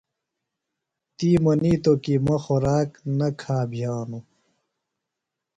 تی منیتوۡ کی مہ خوراک نہ کھا بِھیانوۡ۔